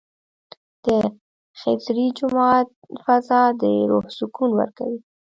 د خضري جومات فضا د روح سکون ورکوي.